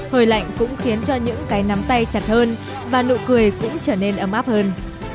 hơi lạnh cũng khiến cho những cái nắm tay chặt hơn và nụ cười cũng trở nên ấm áp hơn